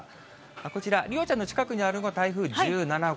こちら、梨央ちゃんの近くにあるのが台風１７号。